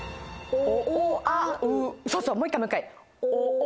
そうそうもう一回もう一回。